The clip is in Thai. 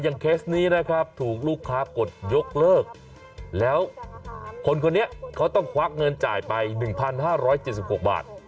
เคสนี้นะครับถูกลูกค้ากดยกเลิกแล้วคนคนนี้เขาต้องควักเงินจ่ายไป๑๕๗๖บาท